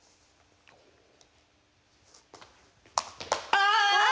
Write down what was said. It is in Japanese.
あ！